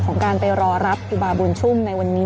ของการไปรอรับครูบาบุญชุ่มในวันนี้